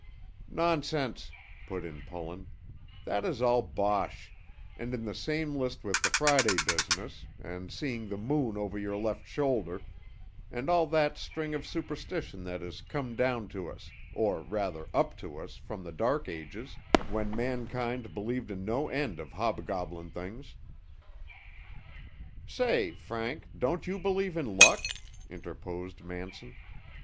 "Nonsense," put in Pullen, "that is all bosh, and in the same list with the Friday business, and seeing the moon over your left shoulder, and all that string of superstition that has come down to us, or rather, up to us from the Dark Ages, when mankind believed in no end of hobgoblin things." "Say, Frank, don't you believe in luck?" interposed Manson.